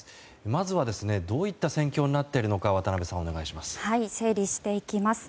まずはどういった戦況になっているのか渡辺さん、お願いします。